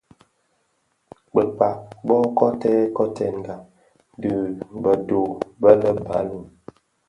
Bakpag bō kotèn kotènga dhi bë dho bë lè baloum,